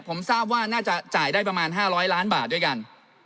ผมทราบว่าน่าจะจ่ายได้ประมาณ๕๐๐ล้านบาทด้วยกัน